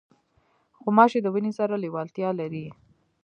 غوماشې د وینې سره لیوالتیا لري.